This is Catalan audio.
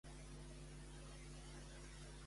Què s'hi utilitzarà únicament, doncs?